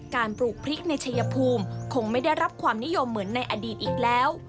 ปลูกพริกในชัยภูมิคงไม่ได้รับความนิยมเหมือนในอดีตอีกแล้ว